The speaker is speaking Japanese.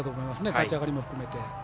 立ち上がりも含めて。